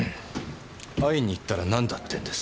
会いに行ったら何だってんです？